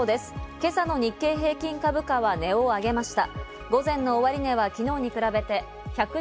今朝の日経平均株価は値を上げました。